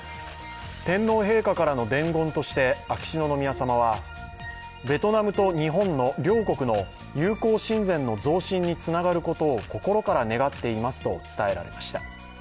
天皇陛下からの伝言として秋篠宮さまはベトナムと日本の両国の友好親善の増進につながることを心から願っていますと伝えられました。